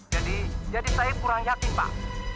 jadi jadi saya kurang yakin pak